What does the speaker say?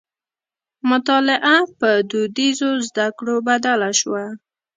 مطالعه په دودیزو زدکړو بدله شوه.